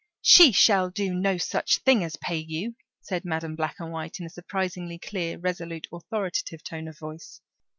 "She shall do no such thing as pay you," said Madam Black and White in a surprisingly clear, resolute, authoritative tone of voice.